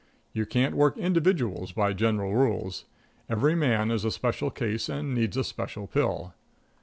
You can't work individuals by general rules. Every man is a special case and needs a special pill.